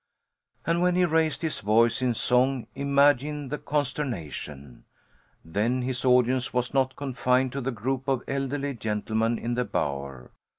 And when he raised his voice in song imagine the consternation! Then his audience was not confined to the group of elderly gentlemen in the bower.